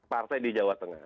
partai di jawa tengah